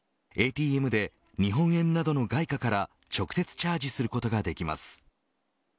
ＡＴＭで日本円などの外貨から直接チャージすることができます。